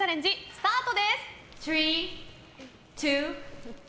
スタートです。